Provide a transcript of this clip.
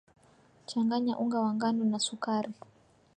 changanya unga wa ngano na sukari